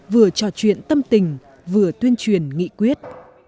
vừa trò chuyện tâm tình vừa tuyên truyền nghị quyết